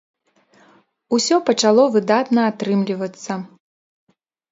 Усё пачало выдатна атрымлівацца.